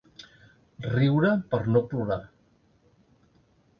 Riure per no plorar.